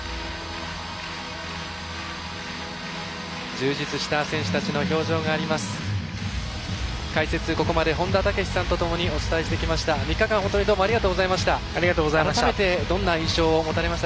充実した選手たちの表情があります。